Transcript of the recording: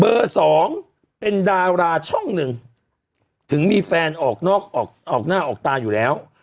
สองเป็นดาราช่องหนึ่งถึงมีแฟนออกนอกออกหน้าออกตาอยู่แล้ว